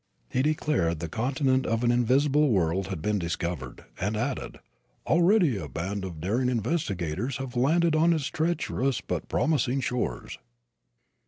He declared the continent of an invisible world had been discovered, and added, "already a band of daring investigators have landed on its treacherous but promising shores."